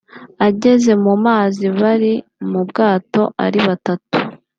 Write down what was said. ageze mu mazi bari mu bwato ari batatu